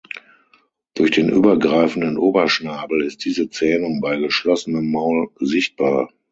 Durch den übergreifenden Oberschnabel ist diese Zähnung bei geschlossenem Maul sichtbar.